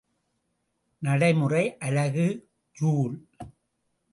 நடைமுறை அலகு ஜூல்.